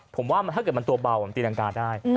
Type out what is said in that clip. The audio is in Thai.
ผมว่าถ้าเกิดมันตัวเบามันตีรังกาได้